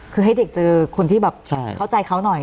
พี่เด็กคือคนที่เข้าใจเขาหน่อย